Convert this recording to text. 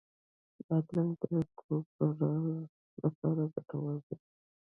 بادرنګ د کوپرا لپاره ګټور دی.